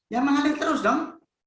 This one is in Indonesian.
ya mengalir terus dong